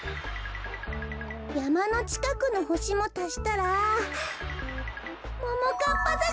やまのちかくのほしもたしたらももかっぱざじゃない？